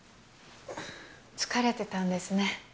疲れてたんですね。